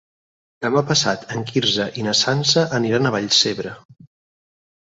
Demà passat en Quirze i na Sança aniran a Vallcebre.